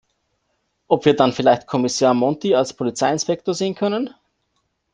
Ob wir dann vielleicht Kommissar Monti als Polizeiinspektor sehen können?